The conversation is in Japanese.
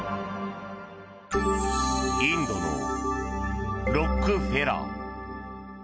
インドのロックフェラー。